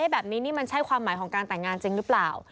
แบบนี้นี่มันใช่ความหมายของการแต่งงานจริงหรือเปล่า